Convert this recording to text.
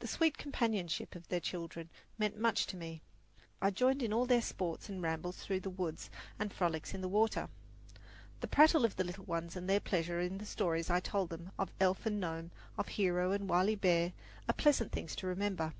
The sweet companionship of their children meant much to me. I joined in all their sports and rambles through the woods and frolics in the water. The prattle of the little ones and their pleasure in the stories I told them of elf and gnome, of hero and wily bear, are pleasant things to remember.